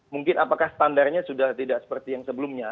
mungkin apakah standarnya sudah tidak seperti yang sebelumnya